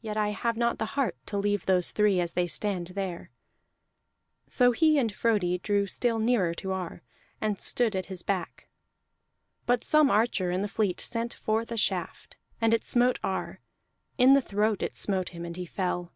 Yet I have not the heart to leave those three as they stand there." So he and Frodi drew still nearer to Ar, and stood at his back. But some archer in the fleet sent forth a shaft, and it smote Ar; in the throat it smote him, and he fell.